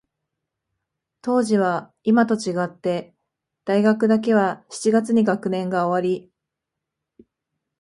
当時は、いまと違って、大学だけは七月に学年が終わり、